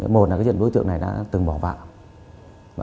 một là đối tượng này đã từng bỏ bạ